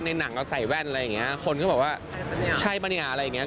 ในหนังเราใส่แว่นอะไรอย่างเงี้ยคนก็บอกว่าใช่ป่ะเนี่ยอะไรอย่างเงี้